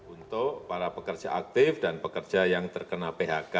untuk para pekerja aktif dan pekerja yang terkena phk